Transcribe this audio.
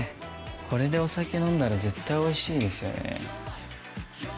これでお酒飲んだら絶対おいしいですよね。